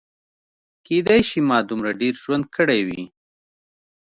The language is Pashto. کیدای شي ما دومره ډېر ژوند کړی وي.